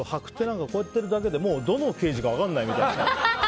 こうやってるだけでどの刑事か分かんないみたいな。